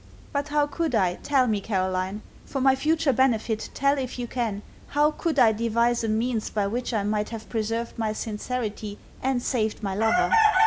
But how could I, tell me, Caroline; for my future benefit tell if you can, how could I devise a means by which I might have preserved my sincerity and saved my lover?